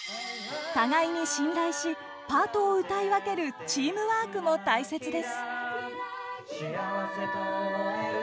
互いに信頼しパートを歌い分けるチームワークも大切です。